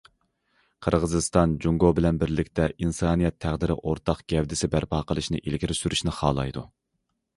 قىرغىزىستان جۇڭگو بىلەن بىرلىكتە ئىنسانىيەت تەقدىرى ئورتاق گەۋدىسى بەرپا قىلىشنى ئىلگىرى سۈرۈشنى خالايدۇ.